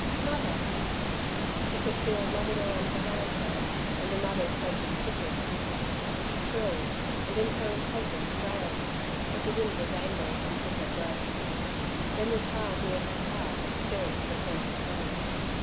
"Mother!" She could feel loving arms around her, and a mother's sacred kisses. She thrilled, and in her impatience ran, but the wind was angry and took her breath. Then the child near her heart stirred for the first time.